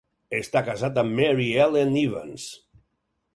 Està casat amb Mary Ellen Evans.